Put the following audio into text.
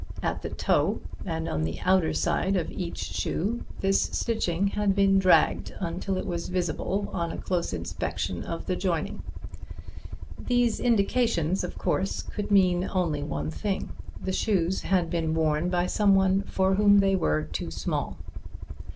At the toe and on the outer side of each shoe this stitching had been dragged until it was visible on a close inspection of the joining. These indications, of course, could mean only one thing. The shoes had been worn by someone for whom they were too small.